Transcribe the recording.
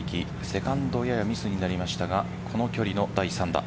セカンドややミスになりましたがこの距離の第３打。